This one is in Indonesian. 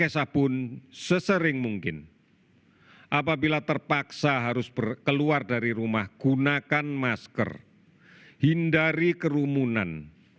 sekali lagi gunakan masker hindari kerumunan